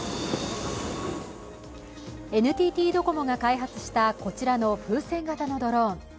ＮＴＴドコモが開発したこちらの風船型のドローン。